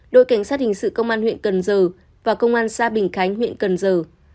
đội cảnh sát hình sự công an huyện cần giờ và công an xã bình khánh huyện cần giờ